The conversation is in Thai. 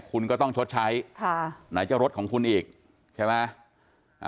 คุณก็ต้องชดใช้ค่ะไหนจะรถของคุณอีกใช่ไหม